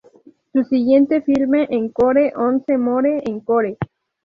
Su siguiente filme, "Encore, Once More Encore!